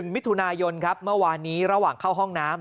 มิถุนายนครับเมื่อวานนี้ระหว่างเข้าห้องน้ำ